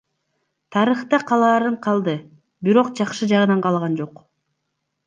Тарыхта калаарын калды, бирок жакшы жагынан калган жок.